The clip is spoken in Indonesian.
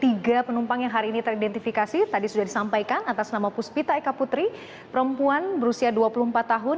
tiga penumpang yang hari ini teridentifikasi tadi sudah disampaikan atas nama puspita eka putri perempuan berusia dua puluh empat tahun